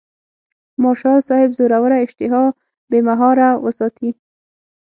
مارشال صاحب زوروره اشتها بې مهاره وساتي.